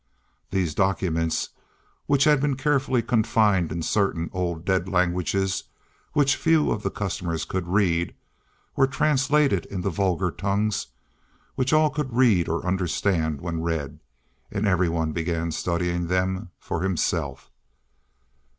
These documents, which had been carefully confined in certain old dead languages which few of the customers could read, were translated into vulgar tongues, which all could read or understand when read, and everyone began studying them for himself.